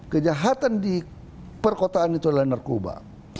kejahatan di perkotaan itu adalah narkoba